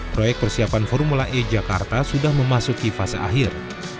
proyek persiapan formula e jakarta sudah memasuki fase akhir